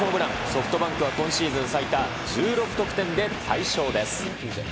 ソフトバンクは今シーズン最多１６得点で大勝です。